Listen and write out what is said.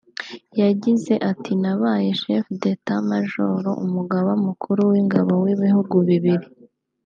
yagize ati “Nabaye Chef d’état Major (Umugaba Mukuru w’Ingabo) w’ibihugu bibiri